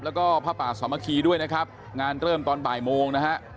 แล้วก็ผ้าป่าสามัคคีด้วยนะครับงานเริ่มตอนบ่ายโมงนะฮะ